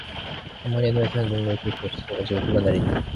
어머니의 눈에서는 눈물이 쉴새없이 질금질금 흘러내린다.